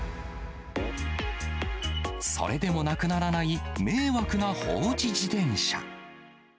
それでもなくならない迷惑な放置自転車。